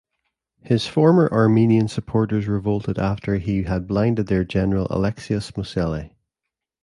His former Armenian supporters revolted after he had blinded their general Alexios Mosele.